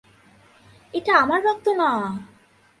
এটা আমার রক্ত না!